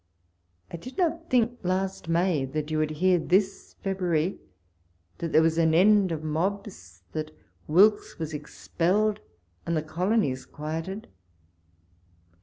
I did not think last May that you would hear this February that there Avas an end of mobs, that Wilkes was expelled, and the colonies quieted.